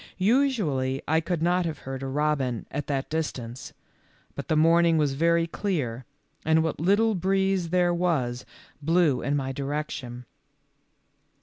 Usually I could not have heard a robin at that distance, but the morning was very clear, and what little breeze there was blew in my direction.